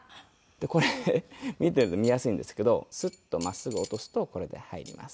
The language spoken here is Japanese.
でこれ見ていると見やすいんですけどスッと真っすぐ落とすとこれで入ります。